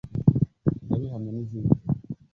Ndabihamya n’izindi